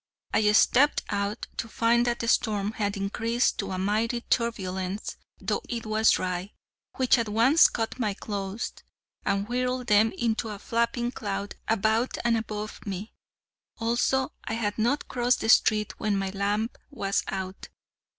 I stepped out to find that the storm had increased to a mighty turbulence (though it was dry), which at once caught my clothes, and whirled them into a flapping cloud about and above me; also, I had not crossed the street when my lamp was out.